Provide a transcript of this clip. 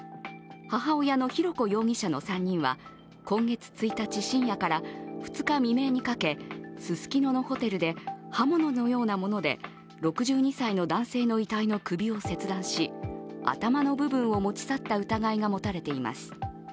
母親の浩子容疑者の３人は今月１日深夜から２日未明にかけ、ススキノのホテルで刃物のようなもので６２歳の男性の遺体の首を切断し頭の部分を持ち去った疑いが持たれています。